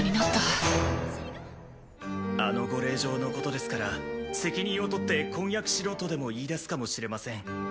あのご令嬢のことですから責任を取って婚約しろとでも言いだすかもしれません。